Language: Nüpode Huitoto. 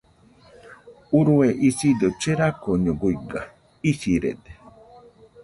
Urue isido cherakoño guiga , isirede.